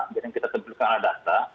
jadi kita tentukan ada data